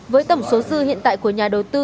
với tổng số dư hiện tại của nhà đầu tư